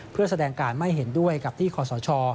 เพื่อแสดงการไม่เห็นด้วยกับที่ขอสช